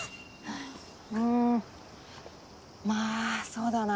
うんまぁそうだな。